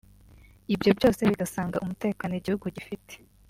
Ibyo byose bigasanga umutekano igihugu gifite